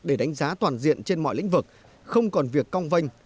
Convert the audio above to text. để đánh giá toàn diện trên mọi lĩnh vực không còn việc cong vanh